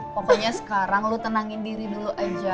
pokoknya sekarang lu tenangin diri dulu aja